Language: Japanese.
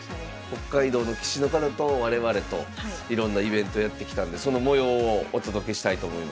北海道の棋士の方と我々といろんなイベントやってきたんでその模様をお届けしたいと思います。